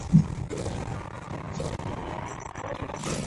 圆燕鱼为辐鳍鱼纲鲈形目鲈亚目白鲳科燕鱼属的一种鱼类。